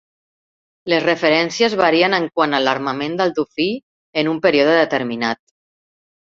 Les referències varien en quant a l'armament del "Dofí" en un període determinat.